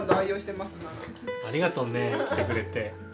ありがとね着てくれて。